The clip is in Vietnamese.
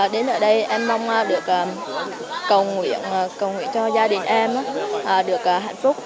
đến ở đây em mong được cầu nguyện cho gia đình em được hạnh phúc